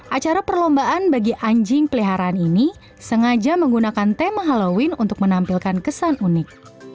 acara perlombaan bagi anjing peliharaan ini sengaja menggunakan tema halloween untuk menampilkan kesan unik